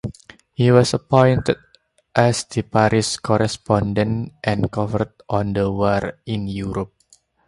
He was appointed as the Paris correspondent and covered on the war in Europe.